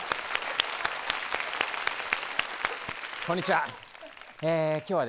こんにちは。